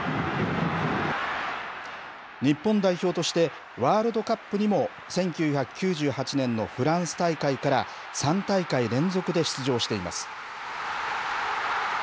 日本代表としてワールドカップにも１９９８年のフランス大会から、３大会連続で出場しています。